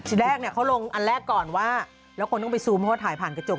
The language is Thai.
แรกเขาลงอันแรกก่อนว่าแล้วคนต้องไปซูมเพราะว่าถ่ายผ่านกระจก